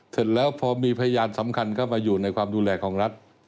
เสร็จแล้วพอมีพยานสำคัญเข้ามาอยู่ในความดูแลของรัฐ